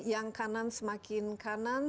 yang kanan semakin kanan